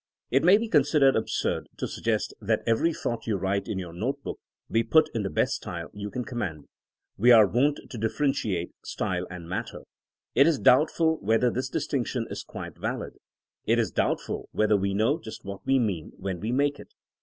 It may be considered absurd to suggest that every thought you write in your note book be put in the best style you can command. We are THINKING AS A SCIENCE 195 wont to differentiate ''style'* and ''matter." It is doubtful whether this distinction is quite valid. It is doubtful whether we know just what we mean when we make it.